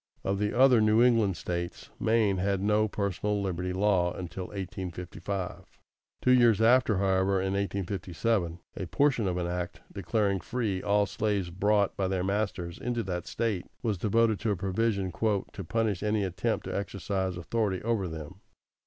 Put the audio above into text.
= Of the other New England States, Maine had no personal liberty law until 1855. Two years after, however, in 1857, a portion of an act declaring free all slaves brought by their masters into that State was devoted to a provision "to punish any attempt to exercise authority over them."